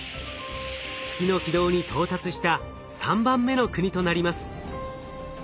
月の軌道に到達した３番目の国となります。